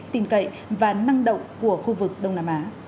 tin cậy và năng động của khu vực đông nam á